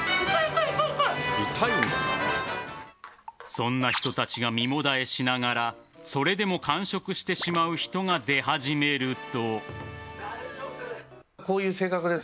そんな人たちが身もだえしながらそれでも完食してしまう人が出始めると。